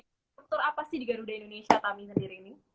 struktur apa sih di garuda indonesia tami sendiri ini